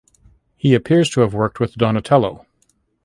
He appears to have worked with Donatello.